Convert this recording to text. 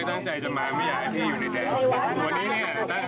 คุณจะไล่อะไรเนี่ยพวกเราเห็นดีด้วยเลย